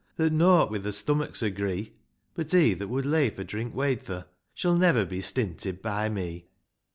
That nought wi' their stomachs agree ; But, he that would leifer^ drink wayter. Shall never be stinted by me.